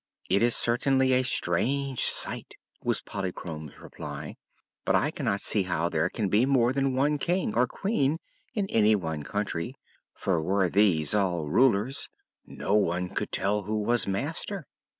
"It is certainly a strange sight," was Polychrome's reply; "but I cannot see how there can be more than one King, or Queen, in any one country, for were these all rulers, no one could tell who was Master."